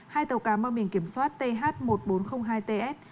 hai tàu cá mang mình kiểm soát th một nghìn bốn trăm linh hai ts